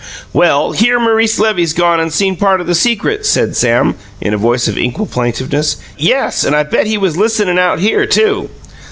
"Well, here's Maurice Levy gone and seen part of the secrets," said Sam, in a voice of equal plaintiveness. "Yes; and I bet he was listenin' out here, too!"